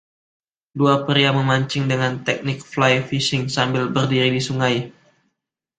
Dua pria memancing dengan teknik fly fishing sambil berdiri di sungai.